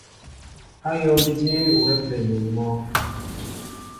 Ayól jeé wɛ penin mɔ?